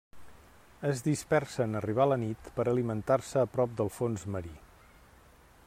Es dispersa en arribar la nit per alimentar-se a prop del fons marí.